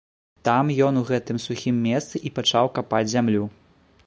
Там ён у гэтым сухім месцы і пачаў капаць зямлю.